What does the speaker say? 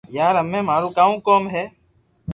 يار ھمي مارو ڪاو ڪوم ھي